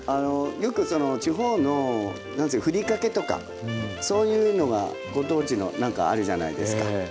よくその地方のふりかけとかそういうのがご当地のなんかあるじゃないですか。